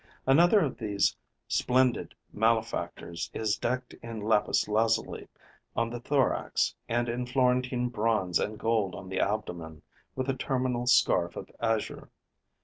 Another of these splendid malefactors is decked in lapis lazuli on the thorax and in Florentine bronze and gold on the abdomen, with a terminal scarf of azure.